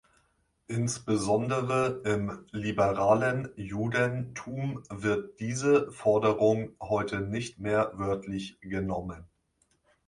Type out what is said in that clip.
Insbesondere im liberalen Judentum wird diese Forderung heute nicht mehr wörtlich genommen.